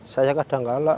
saya kadang kalah